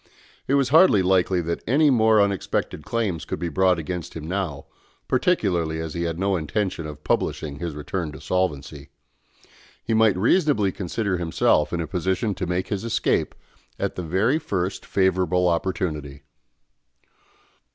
It was hardly likely that any more unexpected claims could be brought against him now, particularly as he had no intention of publishing his return to solvency. He might reasonably consider himself in a position to make his escape at the very first favourable opportunity.